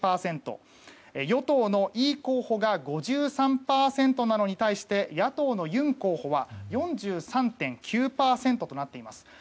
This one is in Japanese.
与党のイ候補が５３％なのに対して野党のユン候補は４３．９％となっています。